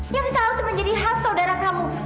yang seharusnya menjadi hak saudara kamu